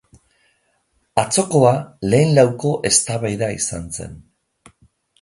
Atzokoa lehen lauko eztabaida izan zen.